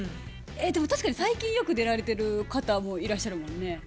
えっでも確かに最近よく出られてる方もいらっしゃるもんね。